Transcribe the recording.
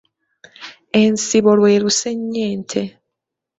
Ensibo lwe lusennyente.